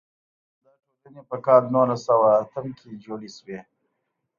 دا ټولنې په کال نولس سوه اتم کې جوړې شوې.